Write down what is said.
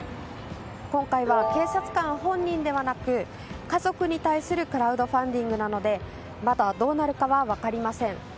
今回は警察官本人ではなく家族に対するクラウドファンディングなのでまだどうなるかは分かりません。